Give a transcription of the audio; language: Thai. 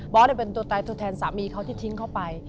เป็นตัวแทนสามีเขาที่ทิ้งเขาไป